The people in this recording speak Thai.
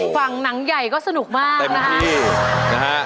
ฝั่งหนังใหญ่ก็สนุกมากนะฮะ